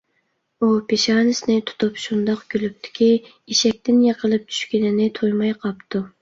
ئۇ پېشانىسىنى تۇتۇپ، شۇنداق كۈلۈپتۇكى، ئېشەكتىن يىقىلىپ چۈشكىنىنى تۇيماي قاپتۇ.